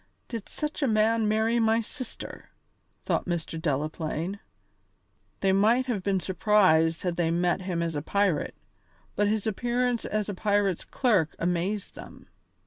"Did such a man marry my sister!" thought Mr. Delaplaine. They might have been surprised had they met him as a pirate, but his appearance as a pirate's clerk amazed them.